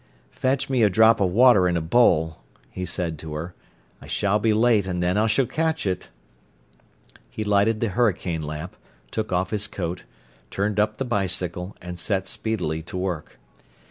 "Fetch me a drop of water in a bowl," he said to her. "I shall be late, and then I s'll catch it." He lighted the hurricane lamp, took off his coat, turned up the bicycle, and set speedily to work.